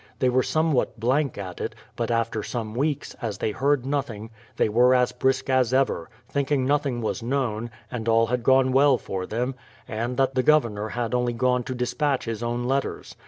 They were somewhat blank at it, but after some weeks, as they heard nothing, they were as brisk as ever, thinking nothing was known, and all had gone well for them, and that the Governor had only gone to despatch his own letters.